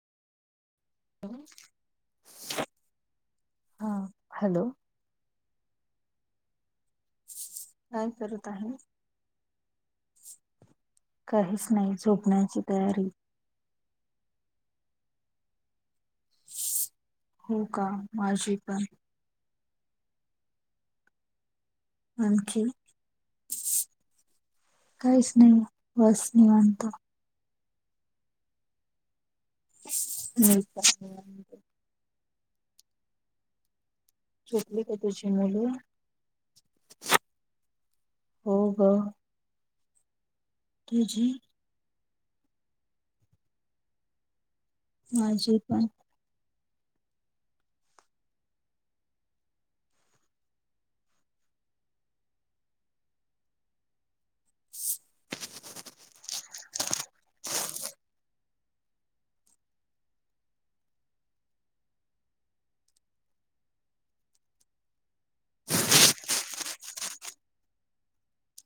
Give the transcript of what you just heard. ह [unintelligible] ह हॅलो. काय करत आहे? काहीच नाही झोपण्याची तयारी. हो का? माझी पण. आणखी? काहीच नाही बस निवांत. मी [unintelligible] झोपली का? तुझी मुलं हो ग. तुझी. माझे पण.